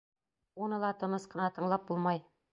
Уны ла тыныс ҡына тыңлап булмай.